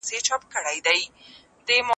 د انسان فطرت بدلېدونکی دی.